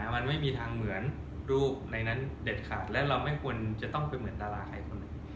มันไม่มีทางเหมือนรูปในนั้นเด็ดขาดและเราไม่ควรจะต้องเป็นเหมือนดาราใครคนหนึ่ง